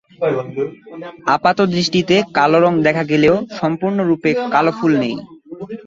আপাত দৃষ্টিতে কালো রঙ দেখা গেলেও সম্পূর্ণ রুপে কালো ফুল নেই।